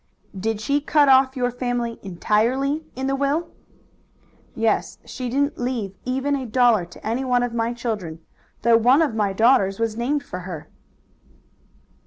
"Did she cut off your family entirely in her will?" "Yes, she didn't leave even a dollar to any one of my children, though one of my daughters was named for her."